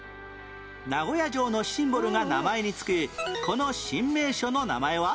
名古屋城のシンボルが名前に付くこの新名所の名前は？